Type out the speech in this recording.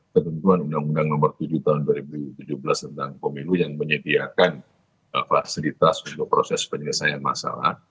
ketentuan undang undang nomor tujuh tahun dua ribu tujuh belas tentang pemilu yang menyediakan fasilitas untuk proses penyelesaian masalah